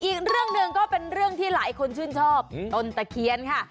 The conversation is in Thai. อีกเรื่องหนึ่งก็เป็นเรื่องที่หลายคนชื่นชอบต้นตะเคียนค่ะ